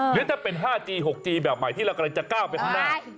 หรือถ้าเป็น๕จี๖จีแบบใหม่ที่เรากำลังจะก้าวไปข้างหน้า